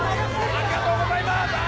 ありがとうございます！